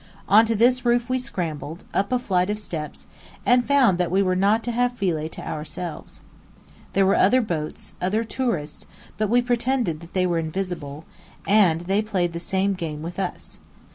Onto this roof we scrambled, up a flight of steps, and found that we were not to have Philae to ourselves. There were other boats, other tourists; but we pretended that they were invisible, and they played the same game with us.